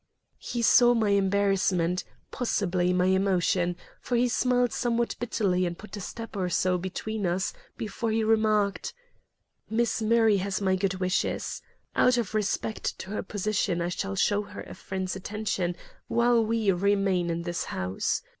He saw my embarrassment, possibly my emotion, for he smiled somewhat bitterly and put a step or so between us before he remarked: "Miss Murray has my good wishes. Out of respect to her position I shall show her a friend's attention while we remain in this house.